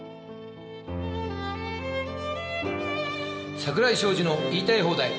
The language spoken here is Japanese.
「『桜井昌司の言いたい放題！